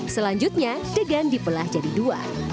selanjutnya degan dipelah jadi dua